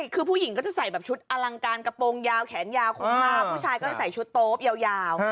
คือผู้หญิงก็จะใส่แบบชุดอลังการกระโปรงยาวแขนยาวคุมผ้าผู้ชายก็จะใส่ชุดโต๊ปยาว